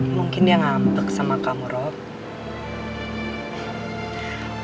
mungkin dia ngambek sama kamu rob